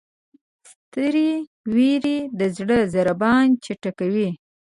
سترې وېرې د زړه ضربان چټکوي.